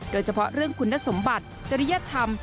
โดยเฉพาะเรื่องคุณสมบัติจริยธรรม